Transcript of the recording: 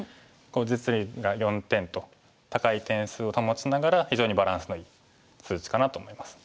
実利が４点と高い点数を保ちながら非常にバランスのいい数値かなと思います。